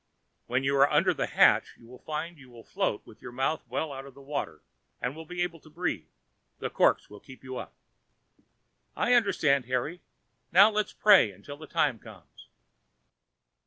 When you are under the hatch you will find you will float with your mouth well out of water, and will be able to breathe; the corks will keep you up." "I understand, Harry; now let us pray until the time comes."